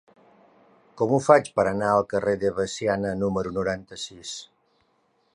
Com ho faig per anar al carrer de Veciana número noranta-sis?